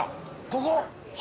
ここ。